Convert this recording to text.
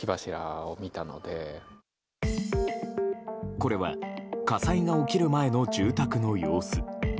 これは火災が起きる前の住宅の様子。